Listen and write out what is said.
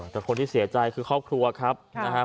แต่คนที่เสียใจคือครอบครัวครับ